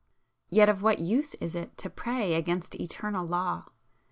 Yet of what use is it to pray against eternal Law?